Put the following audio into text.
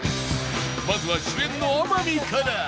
まずは主演の天海から